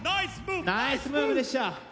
ナイスムーブでした。